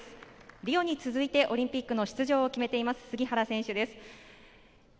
リオに続いてオリンピックの出場を決めています、杉原選手です。